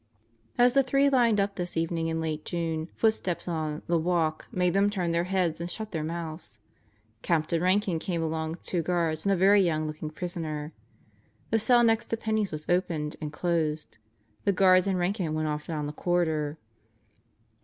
As the three lined up this evening in late June, footsteps on "the walk" made them turn their heads and shut their mouths. Captain Rankin came along with two guards and a very young looking prisoner. The cell next to Penney's was opened and closed. The guards and Rankin went off down the corridor.